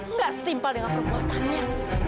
nggak simpel dengan perbuatannya